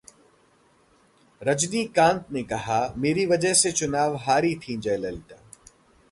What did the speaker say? रजनीकांत ने कहा- मेरी वजह से चुनाव हारी थीं जयललिता